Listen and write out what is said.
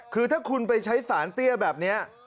คือถ้าคุณไปใช้สารเตี้ยแบบนี้